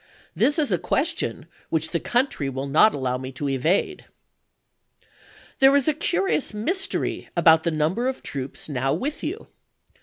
This is a question which the country will not allow me to evade. There is a curious mystery about the number of troops now with you.